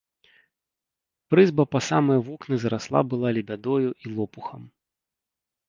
Прызба па самыя вокны зарасла была лебядою і лопухам.